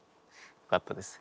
よかったです。